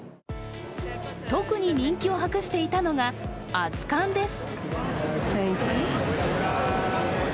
特に人気を博していたのが熱かんです。